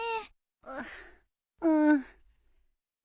うっうん。